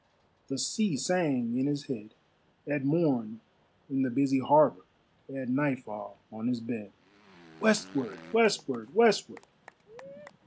The sea sang in his head, At morn in the busy harbor, At nightfall on his bed Westward! westward! westward!